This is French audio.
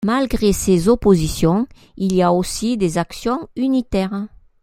Malgré ces oppositions, il y a aussi des actions unitaires.